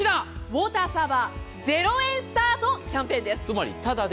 ウォーターサーバー０円スタートキャンペーンです。